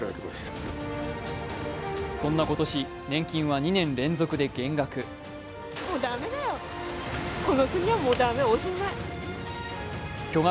そんな今年、年金は２年連続で減額。